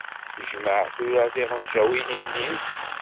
Jmeɛ tura tiɣenǧawin-nni.